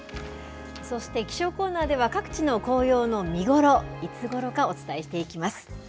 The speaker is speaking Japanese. そして、気象コーナーでは各地の紅葉の見頃、いつごろかお伝えしていきます。